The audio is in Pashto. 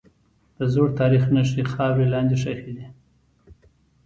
د زوړ تاریخ نښې خاورې لاندې ښخي دي.